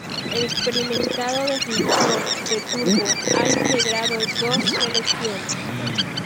El experimentado defensor de Turbo ha integrado dos selecciones.